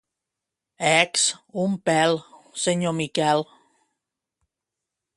—Ecs, un pèl! —Senyor Miquel!